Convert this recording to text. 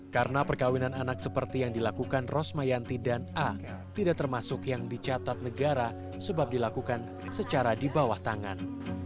karena perkawinan anak seperti yang dilakukan rosmayanti dan a tidak termasuk yang dicatat negara sebab dilakukan secara di bawah tangan